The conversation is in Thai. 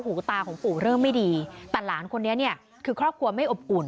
หูตาของปู่เริ่มไม่ดีแต่หลานคนนี้เนี่ยคือครอบครัวไม่อบอุ่น